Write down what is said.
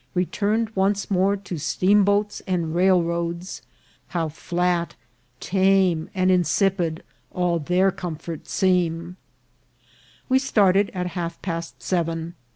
Returned once more to steamboats and railroads, how flat, tame, and insipid all their comforts seem. We started at half past seven.